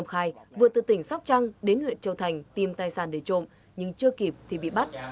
hình sóc trăng đến huyện châu thành tìm tài sản để trộm nhưng chưa kịp thì bị bắt